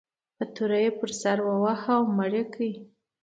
په توره یې پر سر وواهه او مړ یې کړ.